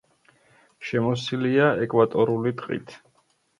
შემოსილია ეკვატორული ტყით.